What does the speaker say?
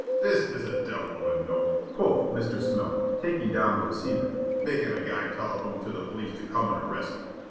"This is a devil of a note," quoth Mr. Smilk, taking down the receiver. "Makin' a guy telephone to the police to come and arrest him."